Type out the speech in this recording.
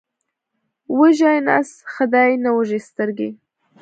وږی نس ښه دی، نه وږې سترګې.